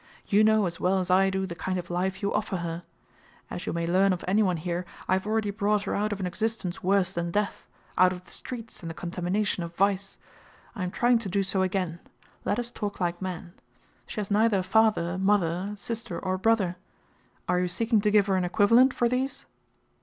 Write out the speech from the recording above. You know as well as I do the kind of life you offer her. As you may learn of anyone here, I have already brought her out of an existence worse than death out of the streets and the contamination of vice. I am trying to do so again. Let us talk like men. She has neither father, mother, sister, or brother. Are you seeking to give her an equivalent for these?"